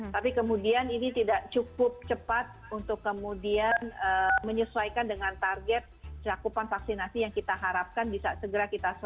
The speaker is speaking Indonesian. tapi kemudian ini tidak cukup cepat untuk kemudian menyesuaikan dengan target cakupan vaksinasi yang kita harapkan bisa segera kita selesaikan